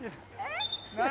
何？